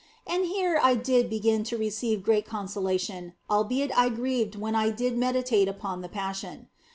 And here I did begin to receive great consola tion, albeit I grieved when I did meditate upon the Passion.